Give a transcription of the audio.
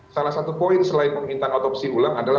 salah satu poin selain permintaan otopsi ulang adalah